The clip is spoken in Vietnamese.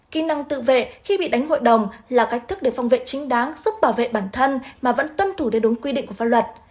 kỹ năng tự vệ khi bị đánh hội đồng là cách thức để phòng vệ chính đáng giúp bảo vệ bản thân mà vẫn tuân thủ đầy đúng quy định của pháp luật